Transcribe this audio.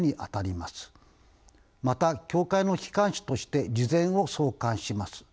また協会の機関誌として「慈善」を創刊します。